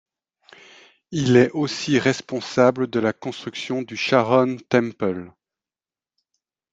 Il est aussi responsable de la construction du Sharon Temple.